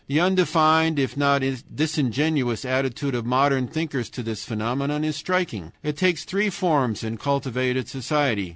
The undefined, if not disingenuous, attitude of modern thinkers to this phenomenon is striking. It takes three forms in cultivated society.